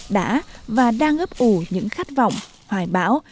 đã và đang ấp ủ những khát vọng hoài bão